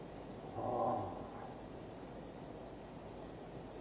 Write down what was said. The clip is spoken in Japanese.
ああ。